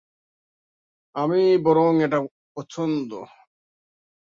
আমি বরং এটা পছন্দ!